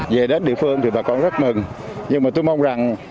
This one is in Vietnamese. về đến địa phương thì bà con rất mừng nhưng mà tôi mong rằng